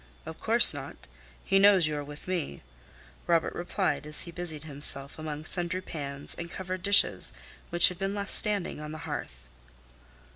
"Of course not; he knows you are with me," Robert replied, as he busied himself among sundry pans and covered dishes which had been left standing on the hearth.